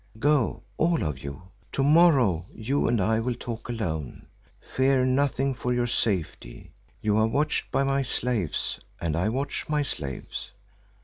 Go—all of you. To morrow you and I will talk alone. Fear nothing for your safety; you are watched by my slaves and I watch my slaves.